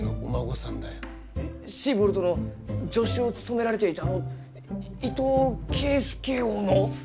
シーボルトの助手を務められていたあの伊藤圭介翁の？